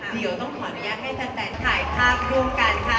เดี๋ยวต้องขออนุญาตให้แฟนถ่ายภาพร่วมกันค่ะ